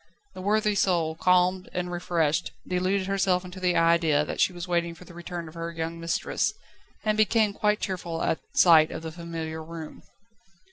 The worthy soul, calmed and refreshed, deluded herself into the idea that she was waiting for the return of her young mistress, and became quite cheerful at sight of the familiar room.